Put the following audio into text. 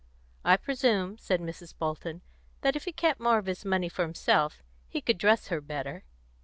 "I presume," said Mrs. Bolton, "that if he kept more of his money for himself, he could dress her better."